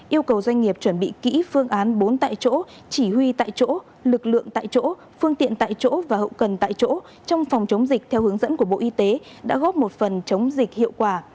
yêu cầu doanh nghiệp chuẩn bị kỹ phương án bốn tại chỗ chỉ huy tại chỗ lực lượng tại chỗ phương tiện tại chỗ và hậu cần tại chỗ trong phòng chống dịch theo hướng dẫn của bộ y tế đã góp một phần chống dịch hiệu quả